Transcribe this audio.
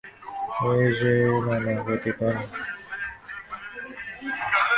এই যে নানা ক্ষতিকর মতবাদ দেখা যায়, সেগুলির জন্য এই-সকল গ্রন্থই দায়ী।